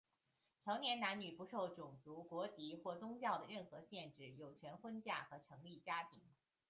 成年男女,不受种族、国籍或宗教的任何限制有权婚嫁和成立家庭。他们在婚姻方面,在结婚期间和在解除婚约时,应有平等的权利。